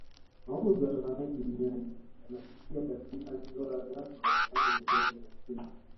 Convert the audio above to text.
Mauzo ya Tanzanite duniani yanafikia takribani dola za Marekani milioni hamsini